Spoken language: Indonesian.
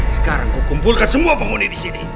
sekarang ku kumpulkan semua penghuni disini